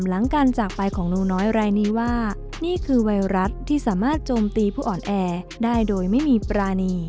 หลังการจากไปของหนูน้อยรายนี้ว่านี่คือไวรัสที่สามารถโจมตีผู้อ่อนแอได้โดยไม่มีปรานี